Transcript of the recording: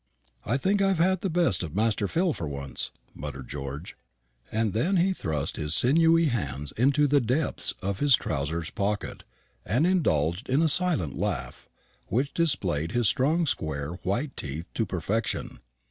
"I think I've had the best of Master Phil for once," muttered George; and then he thrust his sinewy hands into the depths of his trousers pocket, and indulged in a silent laugh, which displayed his strong square white teeth to perfection.